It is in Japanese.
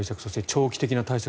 長期的な対策